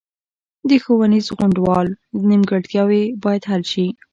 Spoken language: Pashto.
د ښوونیز غونډال نیمګړتیاوې باید حل شي